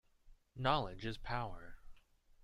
Knowledge is power.